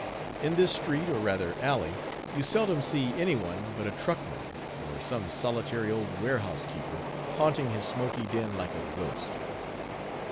In this street, or rather alley, you seldom see any one but a truck man, or some solitary old warehouse keeper, haunting his smoky den like a ghost.